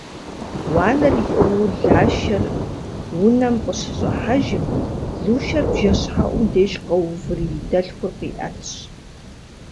Уанэр иӏыгъыу Лашэр унэм къыщыщӏыхьэжым, Лушэр бжэщхьэӏум деж къэуври, и дэлъхур къиӏэтщ.